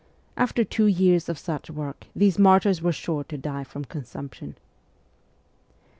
After two years of such work these martyrs were sure to die from consumption.